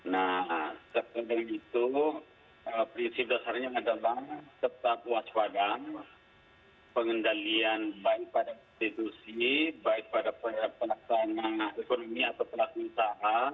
nah setelah itu prinsip dasarnya adalah tetap waspada pengendalian baik pada institusi baik pada pelaksanaan ekonomi atau pelaksanaan